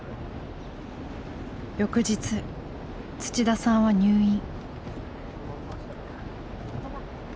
翌日土田さんは入院。